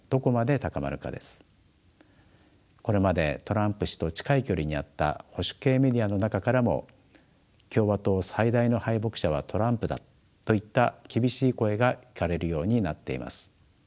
これまでトランプ氏と近い距離にあった保守系メディアの中からも共和党最大の敗北者はトランプだといった厳しい声が聞かれるようになっています。